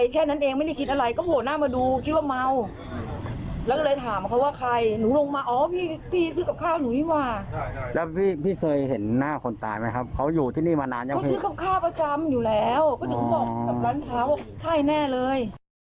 เขาซื้อข้าวประจำอยู่แล้วก็ถึงบอกแบบร้านเท้าใช่แน่เลย